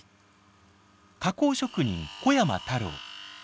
加工職人小山太郎。